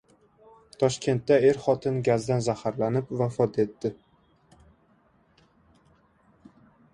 Toshkentda er-xotin gazdan zaharlanib, vafot etdi